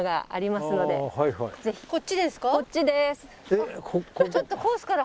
こっちです。